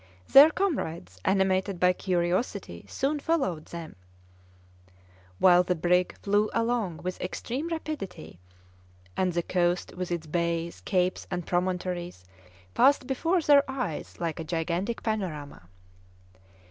Their comrades, animated by curiosity, soon followed them; while the brig flew along with extreme rapidity, and the coast with its bays, capes, and promontories passed before their eyes like a gigantic panorama.